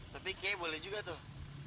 tapi kayaknya boleh juga tuh